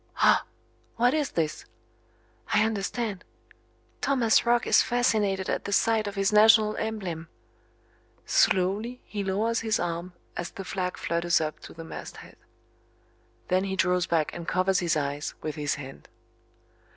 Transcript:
Ah! What is this? I understand! Thomas Roch is fascinated at the sight of his national emblem. Slowly he lowers his arm as the flag flutters up to the mast head. Then he draws back and covers his eyes with his hand.